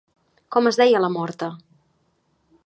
Com es deia la morta?